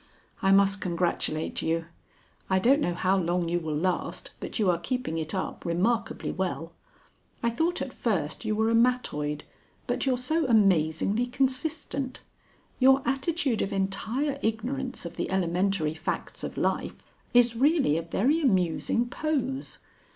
"I must congratulate you. I don't know how long you will last, but you are keeping it up remarkably well. I thought at first you were a mattoid, but you're so amazingly consistent. Your attitude of entire ignorance of the elementary facts of Life is really a very amusing pose.